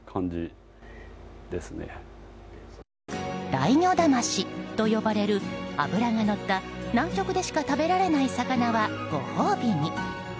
ライギョダマシと呼ばれる脂がのった南極でしか食べられない魚はご褒美に。